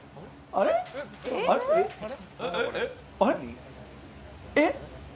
あれっ？えっ？